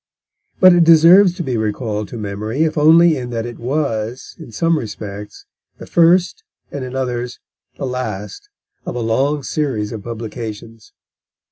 But it deserves to be recalled to memory, if only in that it was, in some respects, the first, and in others, the last of a long series of publications.